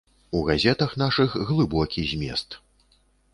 У газетах нашых глыбокі змест.